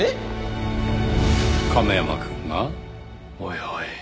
亀山くんが？おいおい。